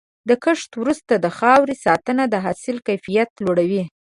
د کښت وروسته د خاورې ساتنه د حاصل کیفیت لوړوي.